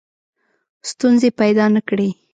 ستونزې پیدا نه کړي.